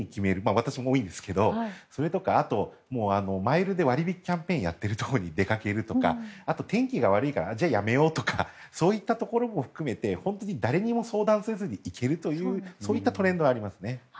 私も多いんですがそれとかマイルで割引キャンペーンやってるところに出かけるとかあとは天気が悪いからじゃあ、やめようとかそういったところも含めて本当に誰にも相談しないで行けるというそういうトレンドはあります。